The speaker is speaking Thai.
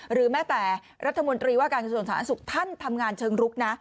หรือแม้แต่รัฐมนตรีว่าการกระทรวงสาธารณสุขท่านทำงานเชิงรุกนะ